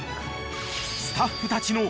［スタッフたちの］